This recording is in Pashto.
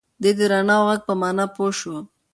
دی د رڼا او غږ په مانا پوه شو.